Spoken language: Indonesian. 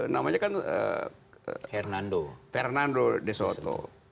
namanya kan hernando fernando de soto